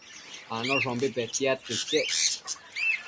Anoshombi bëtiadquio iquec